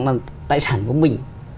là tài sản của mình